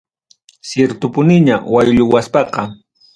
Ciertopuniña waylluwaspaqa.